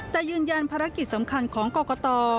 แต่ยืนยันภารกิจสำคัญของกรกต